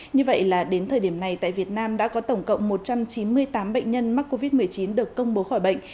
như vậy là đến thời điểm này tại việt nam đã có tổng cộng một trăm chín mươi tám bệnh nhân mắc covid một mươi chín được công bố khỏi bệnh